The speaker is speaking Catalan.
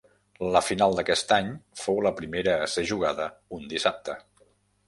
La final d'aquest any fou la primera a ser jugada un dissabte.